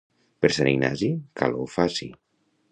Per Sant Ignasi, calor faci.